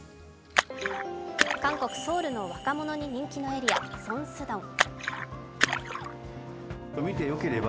韓国ソウルの若者に人気のエリア・ソンスドン。